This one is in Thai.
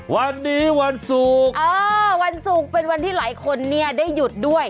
วันนี้วันสูงเออวันสูงเป็นวันที่หลายคนเนี่ยได้หยุดด้วย